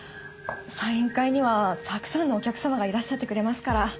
サイン会にはたくさんのお客様がいらっしゃってくれますから。